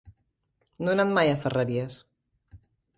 No he anat mai a Ferreries.